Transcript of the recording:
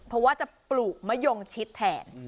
เพราะว่าจะปลูกมะยงชิดแทน